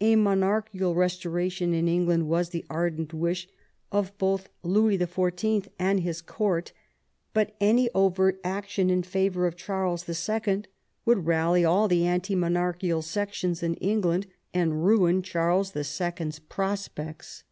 A monarchical restoration in England was the ardent wish of Louis XIV. and his court, but any overt action in favour of Charles II. would rally all the anti monarchical sections in England and ruin Charles 11. 's prospects.